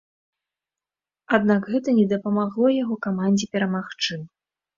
Аднак гэта не дапамагло яго камандзе перамагчы.